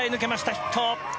ヒット。